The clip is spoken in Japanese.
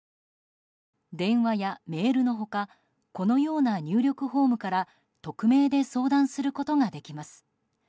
電話やメールの他このような入力フォームから匿名で相談することができます。